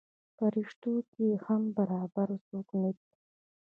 پریشتو کې دې هم برابر څوک نه دی.